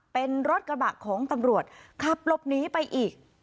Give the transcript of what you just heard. เป็นรถกระบะของตำรวจขับหลบหนีไปอีก